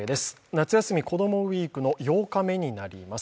「夏休み子どもＷＥＥＫ」の８日目になります。